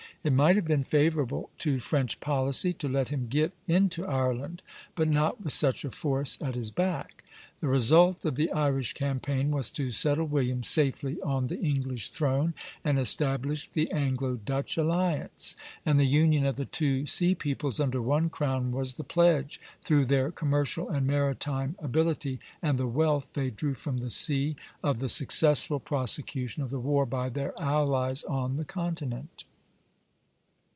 It might have been favorable to French policy to let him get into Ireland, but not with such a force at his back. The result of the Irish campaign was to settle William safely on the English throne and establish the Anglo Dutch alliance; and the union of the two sea peoples under one crown was the pledge, through their commercial and maritime ability, and the wealth they drew from the sea, of the successful prosecution of the war by their allies on the continent.